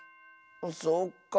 そっか。